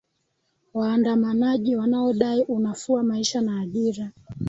waandamanaji wanaodai unafua maisha na ajira